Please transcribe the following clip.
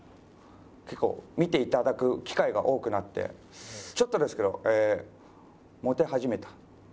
結構見ていただく機会が多くなってちょっとですけどモテ始めたっていうところもあります。